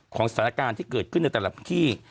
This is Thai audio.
ของสถานการณ์ที่เกิดขึ้นในแต่ละที่